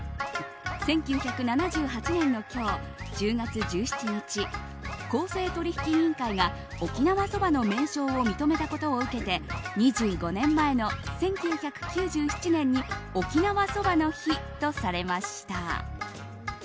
１９７８年の今日１０月１７日公正取引委員会が沖縄そばの名称を認めたことを受けて２５年前の１９９７年に沖縄そばの日とされました。